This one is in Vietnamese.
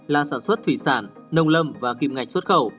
là sản xuất thủy sản nông lâm và kìm ngạch xuất khẩu